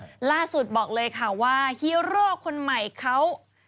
ล่าสุดบอกเลยค่ะว่าฮีโร่คนใหม่เขา